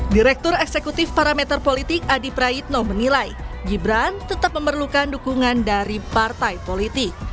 direktur eksekutif parameter politik adi praitno menilai gibran tetap memerlukan dukungan dari partai politik